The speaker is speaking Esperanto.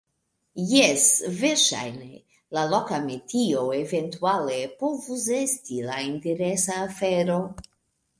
Jes, verŝajne, la loka metio eventuale povus esti la interesa afero.